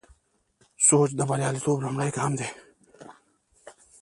سوچ د بریالیتوب لومړی ګام دی.